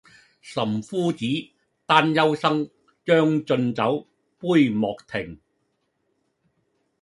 岑夫子，丹丘生，將進酒，杯莫停